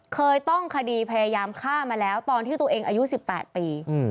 เคยต้องคดีพยายามฆ่ามาแล้วตอนที่ตัวเองอายุ๑๘ปี